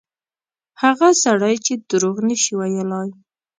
هغه سړی چې دروغ نه شي ویلای.